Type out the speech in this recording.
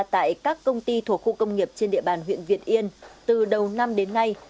tại các công ty thuộc khu công nghiệp trên địa bàn huyện việt yên từ đầu năm đến nay